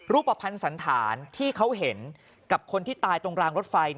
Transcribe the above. รูปภัณฑ์สันฐานที่เขาเห็นกับคนที่ตายตรงรางรถไฟ